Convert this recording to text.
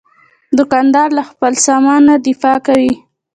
دوکاندار له خپل سامان نه دفاع کوي.